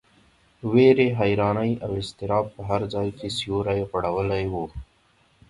وېرې، حیرانۍ او اضطراب په هر ځای کې سیوری غوړولی و.